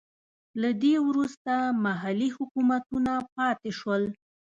له دې وروسته محلي حکومتونه پاتې شول.